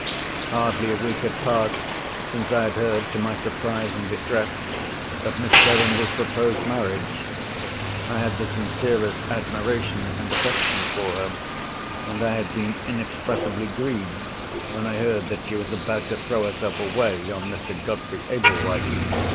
Hardly a week had passed since I had heard (to my surprise and distress) of Miss Verinder's proposed marriage. I had the sincerest admiration and affection for her; and I had been inexpressibly grieved when I heard that she was about to throw herself away on Mr. Godfrey Ablewhite.